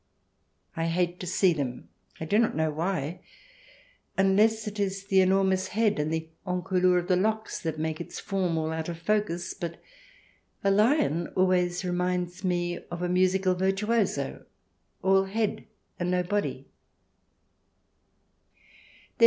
I hate to see them. I do not know why, unless it is the enormous head and the encolure of that locks make its form all out of focus, but a lion always reminds me of a musical virtuoso — all head and no body.